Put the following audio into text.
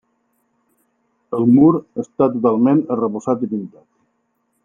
El mur està totalment arrebossat i pintat.